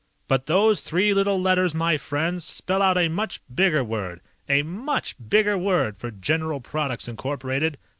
"But those three little letters, my friends, spell out a much bigger word. A much bigger word for General Products, Incorporated.